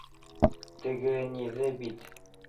Теге ниҙе бит...